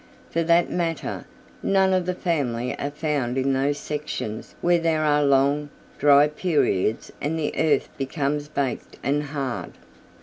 For that matter, none of the family are found in those sections where there are long, dry periods and the earth becomes baked and hard.